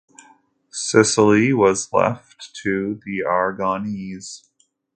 Sicily was left to the Aragonese.